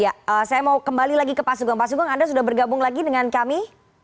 ya saya mau kembali lagi ke pak sugeng pak sugeng anda sudah bergabung lagi dengan kami